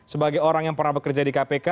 sebagai orang yang pernah bekerja di kpk